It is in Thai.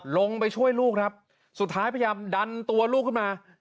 ลงไปช่วยลูกครับสุดท้ายพยายามดันตัวลูกขึ้นมา